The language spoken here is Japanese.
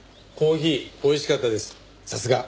コーヒーおいしかったです。